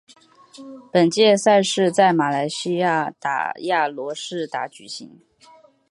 本届赛事于在马来西亚吉打亚罗士打举行。